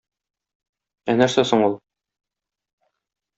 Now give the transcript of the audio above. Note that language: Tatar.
Ә нәрсә соң ул?